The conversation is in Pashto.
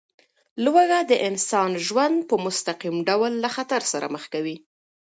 لوږه د انسان ژوند په مستقیم ډول له خطر سره مخ کوي.